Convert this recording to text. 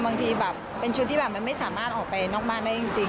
บางทีแบบเป็นชุดที่แบบมันไม่สามารถออกไปนอกบ้านได้จริง